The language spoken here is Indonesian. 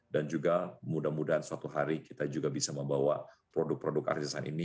dan juga mudah mudahan suatu hari kita juga bisa membawa produk produk artisan ini